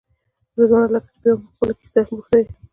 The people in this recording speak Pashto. رضوانه لکه چې بیا مو په خپله کیسه بوختوې.